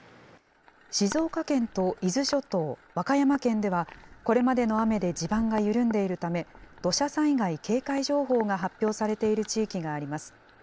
静岡県と伊豆諸島、和歌山県では、これまでの雨で地盤が緩んでいるため、土砂災害警戒情報が発表されている地域があります。